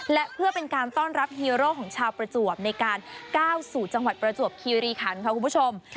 และเพื่อเป็นการต้อนรับฮีโร่ของชาวประจวบในการก้าวสู่จังหวัดประจวบคีรีคันค่ะคุณผู้ชม